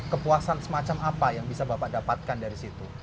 kepuasan semacam apa yang bisa bapak dapatkan dari situ